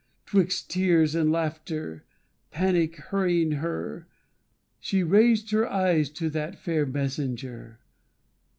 'Twixt tears and laughter, panic hurrying her, She raised her eyes to that fair messenger.